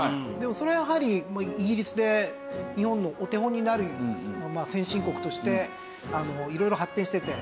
でもそれはやはりイギリスで日本のお手本になるまあ先進国として色々発展してて。